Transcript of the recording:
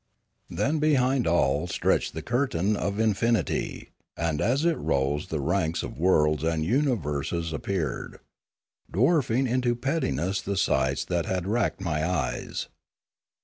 Then behind all stretched the curtain of infinity; and as it rose the ranks of worlds and universes ap peared, dwarfing into pettiness the sights that had racked my eyes.